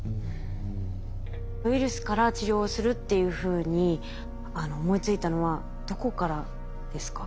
ウイルスから治療をするっていうふうに思いついたのはどこからですか？